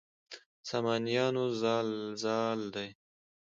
سامانیانو زال دی.